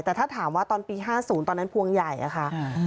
แต่ถ้าถามว่าตอนปี๕๐ตอนนั้นพวงใหญ่อะค่ะ